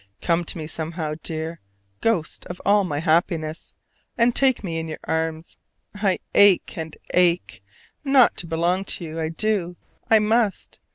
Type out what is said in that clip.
Come to me somehow, dear ghost of all my happiness, and take me in your arms! I ache and ache, not to belong to you. I do: I must.